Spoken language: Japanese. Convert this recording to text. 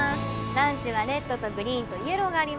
ランチはレッドとグリーンとイエローがあります